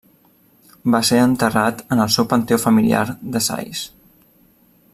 Va ser enterrat en el seu panteó familiar de Sais.